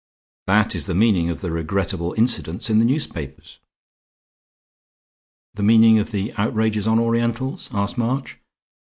That is the meaning of the regrettable incidents in the newspapers." "The meaning of the outrages on Orientals?" asked March.